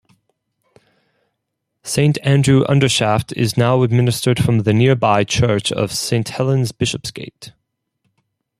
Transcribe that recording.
Saint Andrew Undershaft is now administered from the nearby church of Saint Helen's Bishopsgate.